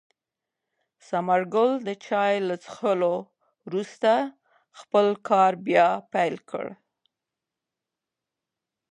ثمر ګل د چای له څښلو وروسته خپل کار بیا پیل کړ.